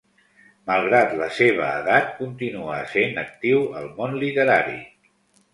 Malgrat la seva edat, continua essent actiu al món literari.